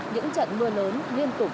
những trận mưa lớn liên tục